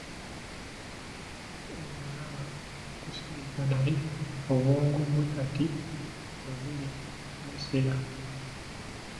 Omulaba kusirika naye obwongo bwe kati we buli bwesera.